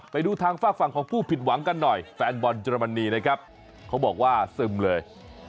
ไปดูทางฝากฝั่งของผู้ผิดหวังกันหน่อยแฟนบอลเยอรมนีนะครับเขาบอกว่าซึมเลย